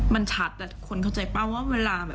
มันชัดแต่คนเข้าใจป่ะว่าเวลาแบบ